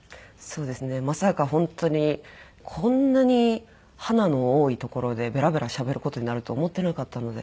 まさか本当にこんなに花の多い所でベラベラしゃべる事になると思ってなかったので。